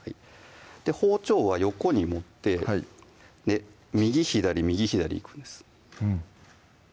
包丁は横に持って右・左右・左いくんですうん